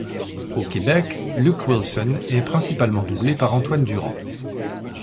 Au Québec, Luke Wilson est principalement doublé par Antoine Durand.